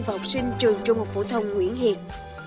và học sinh trường trung học phổ thông nguyễn hiền